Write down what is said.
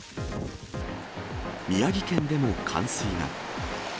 宮城県でも冠水が。